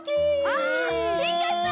あ進化した！